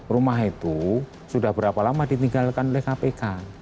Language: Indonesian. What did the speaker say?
rumah itu sudah berapa lama ditinggalkan oleh kpk